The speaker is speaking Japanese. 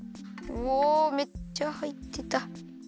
おめっちゃはいってた。